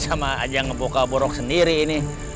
sama aja ngeboka borok sendiri ini